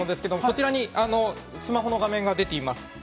こちらに、スマホの画面が出ています。